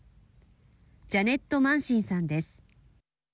ジャネット・マンシンさんです。